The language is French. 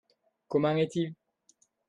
Comment est-il ?